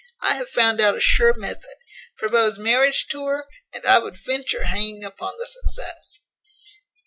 I have found out a sure method; propose marriage to her, and I would venture hanging upon the success."